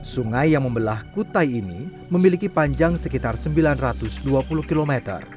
sungai yang membelah kutai ini memiliki panjang sekitar sembilan ratus dua puluh km